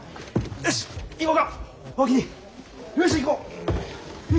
よし行こう。